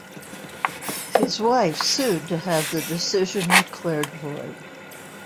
His wife sued to have the decision declared void.